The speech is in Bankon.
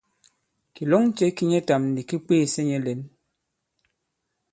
Kìlɔŋ ce ki nyɛtām ndi ki bwêsɛ nyɛ lɛ̌n.